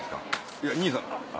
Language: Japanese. いや兄さんああ。